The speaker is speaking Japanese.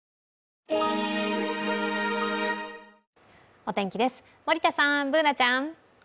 お天気です、森田さん、Ｂｏｏｎａちゃん。